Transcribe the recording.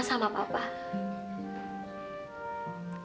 aku terpaksa ikut mama sama papa